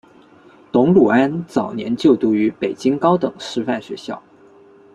董鲁安早年就读于北京高等师范学校。